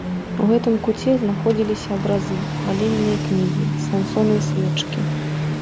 У гэтым куце знаходзіліся абразы, малельныя кнігі, свянцоныя свечкі.